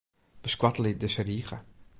Beskoattelje dizze rige.